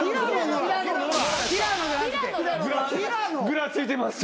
ぐらついてます。